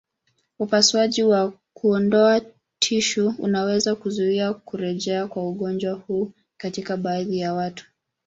Upasuaji wa kuondoa tishu unaweza kuzuia kurejea kwa ugonjwa huu katika baadhi ya watu.